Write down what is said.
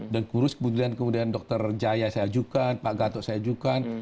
dan kemudian dokter jaya saya ajukan pak gatok saya ajukan